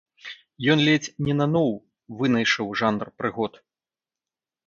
Ён ледзь не наноў вынайшаў жанр прыгод.